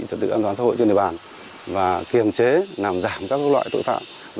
trật tự an toàn xã hội trên địa bàn và kiềm chế làm giảm các loại tội phạm